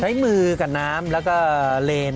ใช้มือกับน้ำแล้วก็เลน